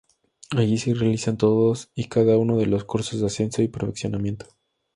Allí se realizan todos y cada uno de los cursos de ascenso y perfeccionamiento.